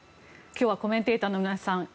今日はコメンテーターの皆さん